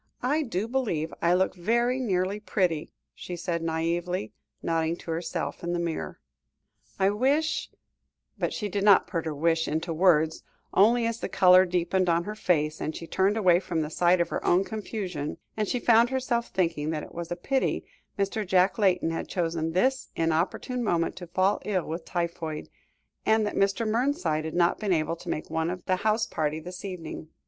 "I do really believe I look very nearly pretty," she said naïvely, nodding to herself in the mirror. "I wish " but she did not put her wish into words, only, as the colour deepened on her face, and she turned away from the sight of her own confusion, she found herself thinking that it was a pity Mr. Jack Layton had chosen this inopportune moment to fall ill with typhoid, and that Mr. Mernside had not been able to make one of the house party this evening.